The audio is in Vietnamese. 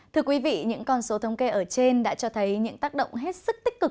thưa quý vị những con số thống kê ở trên đã cho thấy những tác động hết sức tích cực